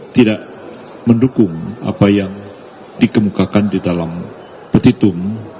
tidak mendukung apa yang dikemukakan di dalam petitum